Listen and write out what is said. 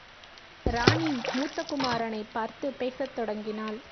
ராணி மூத்த குமாரனைப் பார்த்துப் பேசத் தொடங்கினாள்.